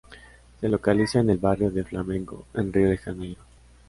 Se localiza en el barrio de Flamengo, en Rio de Janeiro.